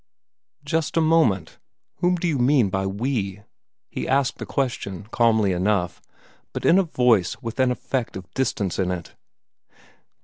"Just a moment whom do you mean by 'we'?" He asked the question calmly enough, but in a voice with an effect of distance in it.